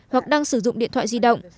hoặc đang sử dụng điện thoại di động